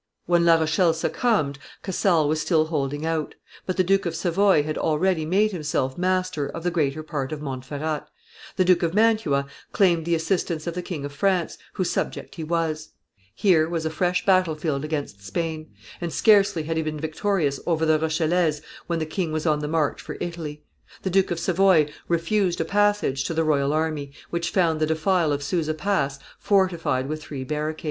When La Rochelle succumbed, Casale was still holding out; but the Duke of Savoy had already made himself master of the greater part of Montferrat; the Duke of Mantua claimed the assistance of the King of France, whose subject he was; here was a fresh battle field against Spain; and scarcely had he been victorious over the Rochellese, when the king was on the march for Italy. The Duke of Savoy refused a passage to the royal army, which found the defile of Suza Pass fortified with three barricades.